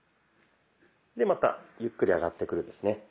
でまたゆっくり上がってくるんですね。